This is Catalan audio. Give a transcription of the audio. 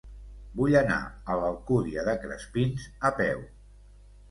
Vull anar a l'Alcúdia de Crespins a peu.